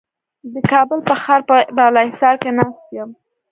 د کابل په ښار په بالاحصار کې ناست یم.